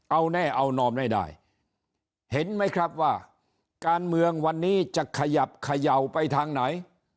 เอาแน่เอานอนไม่ได้เห็นไหมครับว่าการเมืองวันนี้จะขยับเขย่าไปทางไหน